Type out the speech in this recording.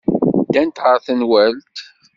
Ddant ɣer tenwalt.